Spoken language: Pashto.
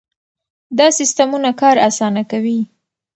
دا سیستمونه کار اسانه کوي.